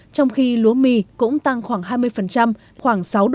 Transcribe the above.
trong khi lúa mì cũng tăng khoảng hai mươi khoảng sáu usd một giỏ